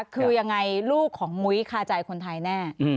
คือยังไงลูกของมุ้ยคาใจคนไทยแน่